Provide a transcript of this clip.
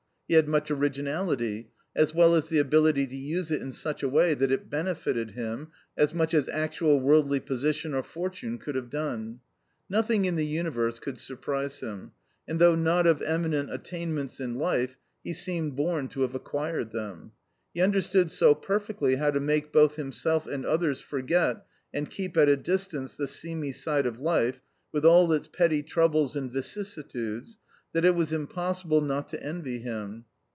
He had much originality, as well as the ability to use it in such a way that it benefited him as much as actual worldly position or fortune could have done. Nothing in the universe could surprise him, and though not of eminent attainments in life, he seemed born to have acquired them. He understood so perfectly how to make both himself and others forget and keep at a distance the seamy side of life, with all its petty troubles and vicissitudes, that it was impossible not to envy him.